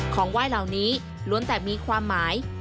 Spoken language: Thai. ของไหว้เหล่านี้ล้วนแต่มีความหมาย